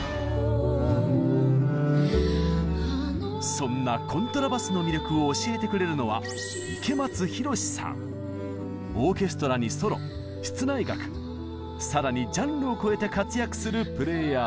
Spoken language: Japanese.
そんなコントラバスの魅力を教えてくれるのはオーケストラにソロ室内楽更にジャンルを超えて活躍するプレイヤーです。